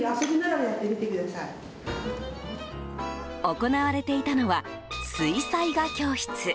行われていたのは水彩画教室。